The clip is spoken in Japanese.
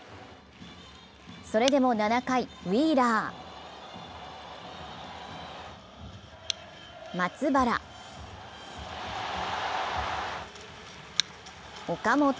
それでも７回、ウィーラー、松原、岡本。